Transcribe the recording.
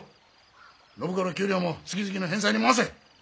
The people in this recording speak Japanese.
暢子の給料も月々の返済に回せ。